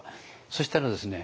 そしたらですね